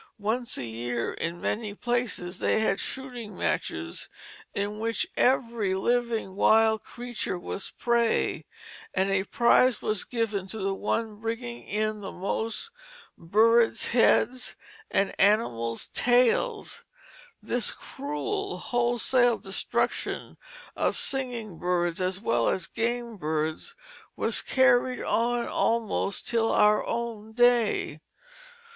Once a year in many places they had shooting matches in which every living wild creature was prey, and a prize was given to the one bringing in the most birds' heads and animals' tails. This cruel wholesale destruction of singing birds as well as game birds was carried on almost till our own day.